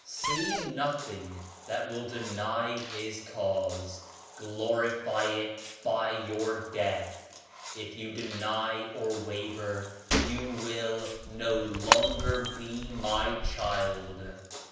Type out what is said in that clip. Say nothing that will deny His Cause! Glorify it by your death! If you deny or waver you will no longer be my child!'